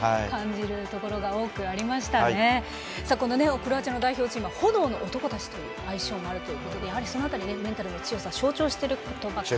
クロアチアの代表チームは炎の男たちという名前があるようにやはりその辺りメンタルの強さ象徴していると。